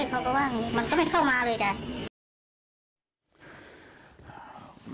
เขาก็ว่าอย่างนี้มันก็ไม่เข้ามาเลยไง